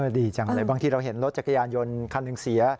ดีจังเลยบางทีเราเห็นรถจักรยานยนต์คันหนึ่งเสีย